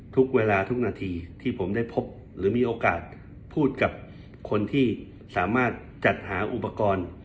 ทุกเวลาทุกนาทีที่ผมได้พบหรือมีโอกาสพูดกับคนที่สามารถจัดหาอุปกรณ์